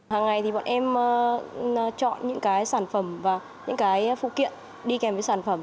hàng ngày thì bọn em chọn những cái sản phẩm và những cái phụ kiện đi kèm với sản phẩm